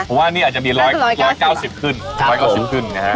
เพราะว่าอันนี้อาจจะมี๑๙๐กว่าขึ้นนะฮะ